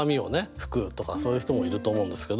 拭くとかそういう人もいると思うんですけど。